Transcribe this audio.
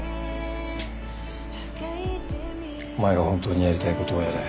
お前が本当にやりたいことをやれ。